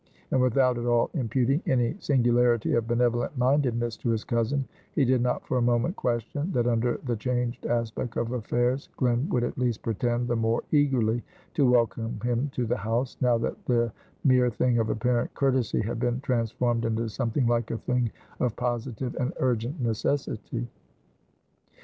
And without at all imputing any singularity of benevolent mindedness to his cousin, he did not for a moment question, that under the changed aspect of affairs, Glen would at least pretend the more eagerly to welcome him to the house, now that the mere thing of apparent courtesy had become transformed into something like a thing of positive and urgent necessity.